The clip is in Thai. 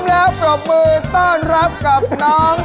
แล้วปรบมือต้อนรับกับน้อง